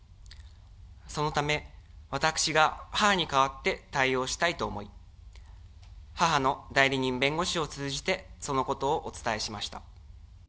そのため私が母に代わって対応したいと思い、母の代理人弁護士を通じて、そのことをお伝えしました。